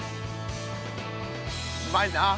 うまいなあ。